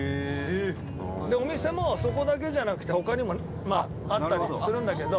お店も、そこだけじゃなくて他にもあったりとかするんだけど。